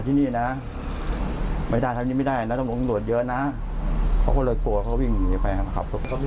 คือมันเป็นที่ชุมชนรถก็พลุกพล่านไปมาเลยนะคะ